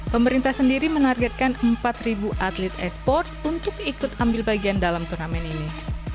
pemerintah sendiri menargetkan empat atlet e sport untuk ikut ambil bagian dalam turnamen ini